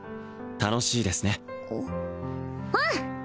楽しいですねうん！